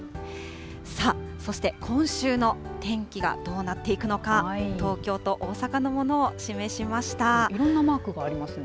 さあ、そして今週の天気がどうなっていくのか、東京と大阪のものいろんなマークがありますね。